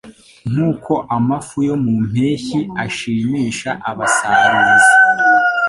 Nk’uko amafu yo mu mpeshyi ashimisha abasaruzi